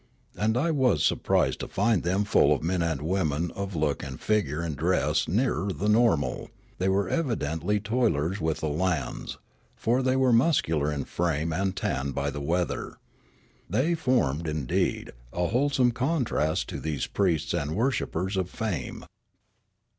And I was surpri.sed to find them full of men and women of look and figure and dress nearer the normal ; they were evidently toil ers with the hands ; for they were muscular in frame and tanned by the weather. They formed, indeed, a wholesome contrast to these priests and worshippers of fame.